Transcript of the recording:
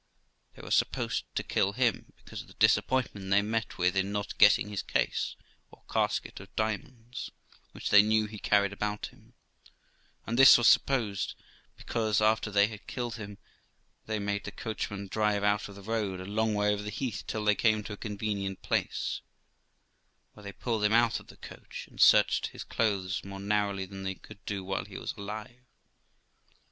They were supposed to kill him because of the disappointment they met with in not getting his case or casket of diamonds, which they knew he carried about him; and this was supposed because, after they had killed him, they made the coachman drive out of the road a long way over the heath, till they came to a convenient place, where they pulled him out of the coach and searched his clothes more narrowly than they could do while he was alive.